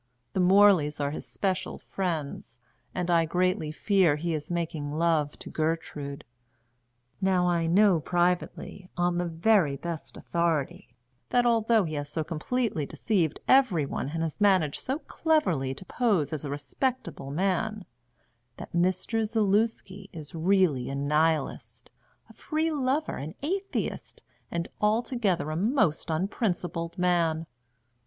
The Morleys are his special friends, and I greatly fear he is making love to Gertrude. Now I know privately, on the very best authority, that although he has so completely deceived every one and has managed so cleverly to pose as a respectable man, that Mr. Zaluski is really a Nihilist, a free lover, an atheist, and altogether a most unprincipled man.